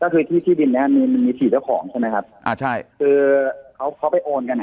คือที่บินแม่มี๔เจ้าของใช่ไหมครับอ่าใช่เขาไปโอกัน